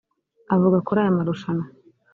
Avuga kuri aya marushanwa